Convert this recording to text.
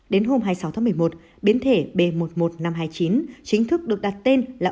đến hôm hai mươi sáu tháng một mươi một biến thể b một mươi một nghìn năm trăm hai mươi chín chính thức được đặt tên là